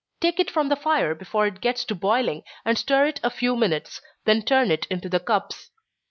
Take it from the fire before it gets to boiling, and stir it a few minutes, then turn it into the cups.